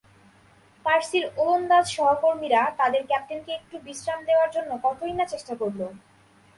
পার্সির ওলন্দাজ সহকর্মীরা তাদের ক্যাপ্টেনকে একটু বিশ্রাম দেওয়ার জন্য কতই-না চেষ্টা করল।